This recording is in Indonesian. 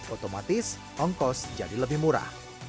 otomatis ongkos jadi lebih murah